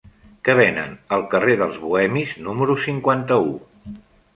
Què venen al carrer dels Bohemis número cinquanta-u?